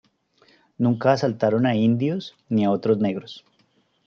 Nunca asaltaron a indios ni a otros negros.